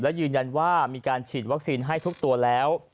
และยืนยันว่ามีการฉีดวัคซีนให้ทุกตัวแล้ว